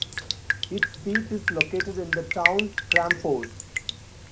Its seat is located in the town Kramfors.